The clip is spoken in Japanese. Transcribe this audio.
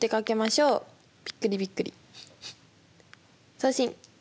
送信。